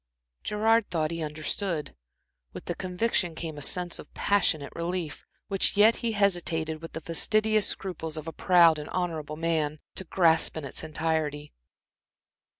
Gerard thought he understood. With the conviction came a sense of passionate relief, which yet he hesitated, with the fastidious scruples of a proud and honorable man, to grasp in its entirety.